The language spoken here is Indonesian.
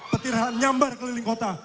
petir nyambar keliling kota